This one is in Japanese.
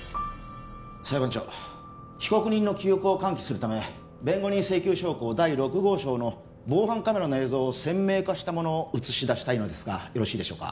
裁判長被告人の記憶を喚起するため弁護人請求証拠第６号証の防犯カメラの映像を鮮明化したものを映し出したいのですがよろしいでしょうか？